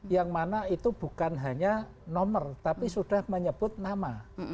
yang mana itu bukan hanya nomor tapi sudah menyebut nama